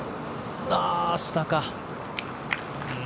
ああ、下か。